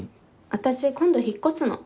私今度引っ越すの。